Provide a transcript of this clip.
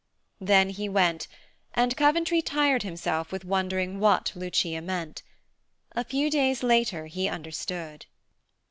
Then he went, and Coventry tired himself with wondering what Lucia meant. A few days later he understood.